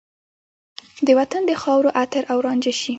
د وطن د خاورو عطر او رانجه شي